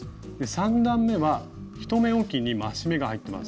３段めは１目おきに増し目が入っています。